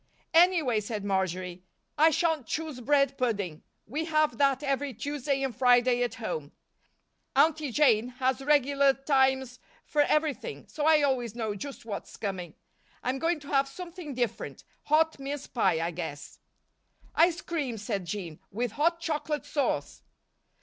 "Anyway," said Marjory, "I shan't choose bread pudding. We have that every Tuesday and Friday at home. Aunty Jane has regular times for everything, so I always know just what's coming. I'm going to have something different hot mince pie, I guess." "Ice cream," said Jean, "with hot chocolate sauce."